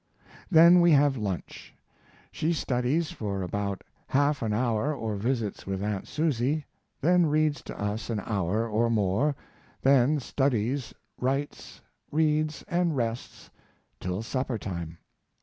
Then we have lunch. She studdies for about half an hour or visits with aunt Susie, then reads to us an hour or more, then studdies writes reads and rests till supper time.